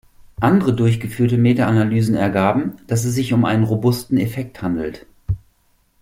Andere durchgeführte Metaanalysen ergaben, dass es sich um einen robusten Effekt handelt.